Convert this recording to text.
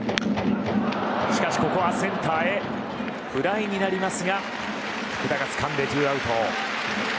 しかし、ここはセンターへフライになりますが福田がつかんで、２アウト。